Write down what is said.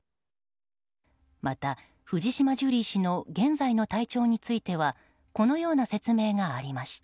また、藤島ジュリー氏の現在の体調についてはこのような説明がありました。